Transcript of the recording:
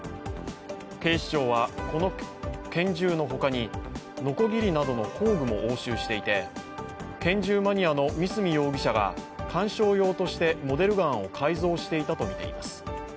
警視庁は、この拳銃の他にのこぎりなどの工具も押収していて拳銃マニアの三角容疑者が観賞用としてモデルガンを改造していたとみています。